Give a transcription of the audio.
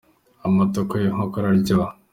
amatako yinkoko araryoha